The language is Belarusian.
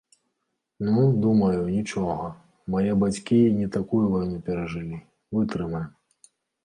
Ну, думаю, нічога, мае бацькі і не такую вайну перажылі, вытрымаем.